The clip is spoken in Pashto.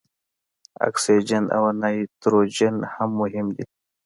اکسیجن او نایتروجن هم مهم دي.